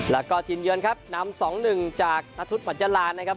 แล้วก็ทินเยินครับนำสองหนึ่งจากนทุษย์มันจรานนะครับ